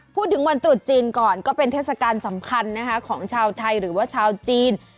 พูดถึงวันตรุษจีนก่อนก็เป็นเทศกาลสำคัญนะคะของชาวไทยหรือว่าชาวจีน